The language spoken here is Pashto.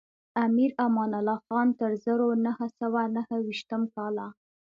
امیر امان الله خان تر زرو نهه سوه نهه ویشتم کاله.